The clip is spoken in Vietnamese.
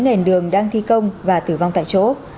nền đường đang thi công và tử vong tại chỗ